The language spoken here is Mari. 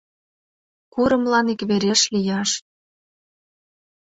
Курымлан иквереш лияш